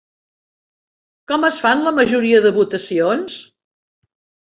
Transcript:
Com es fan la majoria de votacions?